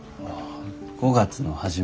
５月の初め。